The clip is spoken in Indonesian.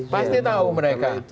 pasti tahu mereka